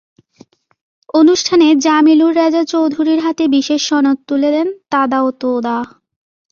অনুষ্ঠানে জামিলুর রেজা চৌধুরীর হাতে বিশেষ সনদ তুলে দেন তাদাও তোদা।